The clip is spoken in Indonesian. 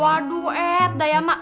waduh eh daya mak